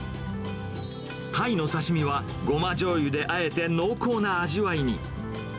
タイの刺身はゴマじょうゆであえて濃厚な味わいに。